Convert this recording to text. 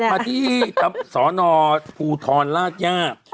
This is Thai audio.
มาที่สอนอพูทรราชญา